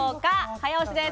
早押しです。